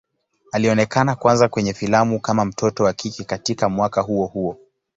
Alionekana kwanza kwenye filamu kama mtoto wa kike katika mwaka huo huo.